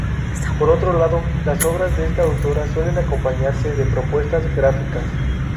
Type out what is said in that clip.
Por otro lado, las obras de esta autora suelen acompañarse de propuestas gráficas.